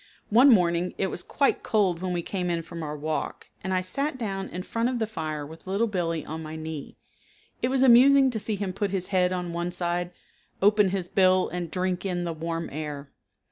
One morning it was quite cold when we came in from our walk, and I sat down in front of the fire with Little Billee on my knee. It was amusing to see him put his head on one side, open his bill and drink in the warm air.